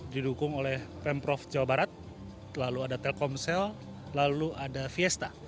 didukung oleh pemprov jawa barat lalu ada telkomsel lalu ada fiesta